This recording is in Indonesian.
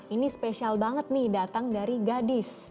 ini spesial banget nih datang dari gadis